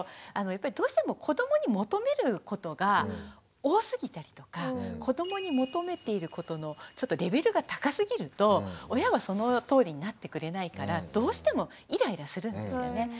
やっぱりどうしても子どもに求めることが多すぎたりとか子どもに求めていることのレベルが高すぎると親はそのとおりになってくれないからどうしてもイライラするんですよね。